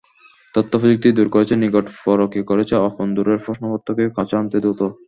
তথ্যপ্রযুক্তি দূর করেছে নিকট, পরকে করেছে আপন, দূরের প্রশ্নপত্রকে কাছে আনছে দ্রুত।